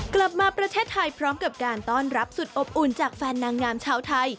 กลับมาประเทศไทยพร้อมกับการต้อนรับสุดอบอุ่นจากแฟนนางงามชาวไทย